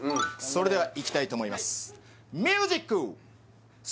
それではいきたいと思います